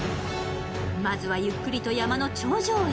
まずは、ゆっくりと山の頂上へ。